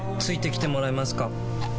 付いてきてもらえますか？